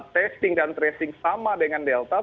testing dan tracing sama dengan delta